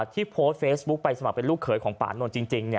ที่โพสต์เฟซบุ๊คไปสมัครเป็นลูกเขยของป่านนท์จริง